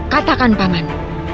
katakan pak man